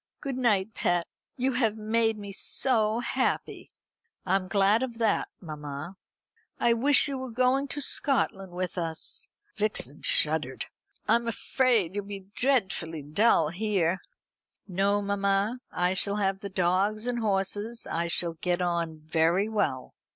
Good night, pet. You have made me so happy." "I am glad of that, mamma." "I wish you were going to Scotland with us." (Vixen shuddered.) "I'm afraid you'll be dreadfully dull here." "No, mamma; I shall have the dogs and horses. I shall get on very well."